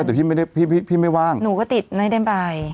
ใช่แต่พี่ไม่ได้พี่พี่ไม่ว่างหนูก็ติดไม่ได้บ่ายอ๋อ